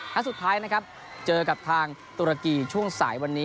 นัดสุดท้ายนะครับเจอกับทางตุรกีช่วงสายวันนี้